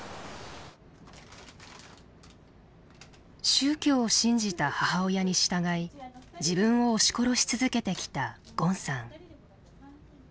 宗教を信じた母親に従い自分を押し殺し続けてきたゴンさん。